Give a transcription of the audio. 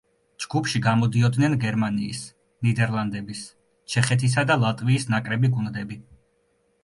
ჯგუფში გამოდიოდნენ გერმანიის, ნიდერლანდების, ჩეხეთისა და ლატვიის ნაკრები გუნდები.